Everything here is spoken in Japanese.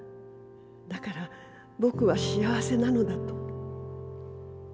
だからぼくは幸せなのだと」。